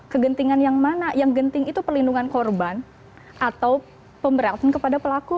kegentingan yang mana yang genting itu perlindungan korban atau pemberatan kepada pelaku